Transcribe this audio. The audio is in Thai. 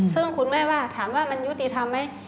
ซึ่งคุณแม่ว่าถามว่ามันยุติธรรมไหม